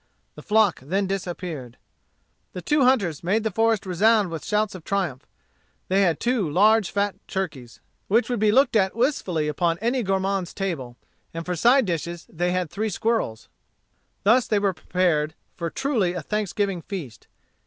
The flock then disappeared. The two hunters made the forest resound with shouts of triumph. They had two large, fat turkeys, which would be looked at wistfully upon any gourmand's table, and for side dishes they had three squirrels. Thus they were prepared for truly a thanksgiving feast.